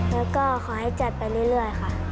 แล้วก็ขอให้จัดไปเรื่อยค่ะ